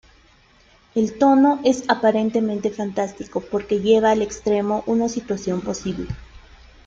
El tono es aparentemente fantástico porque lleva al extremo una situación posible.